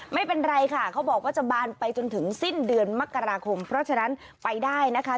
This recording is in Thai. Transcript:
ไม่เป็นไรค่ะเขาบอกว่าจะบานไปจนถึงสิ้นเดือนมกราคมเพราะฉะนั้นไปได้นะคะ